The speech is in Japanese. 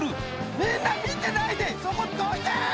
みんな見てないでそこどいて！